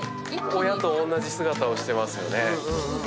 親と同じ姿をしてますよね。